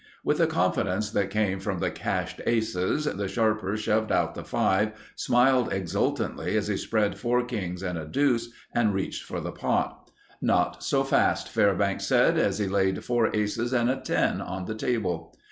With the confidence that came from the cached aces, the sharper shoved out the five, smiled exultantly as he spread four kings and a deuce and reached for the pot. "Not so fast," Fairbanks said as he laid four aces and a ten on the table.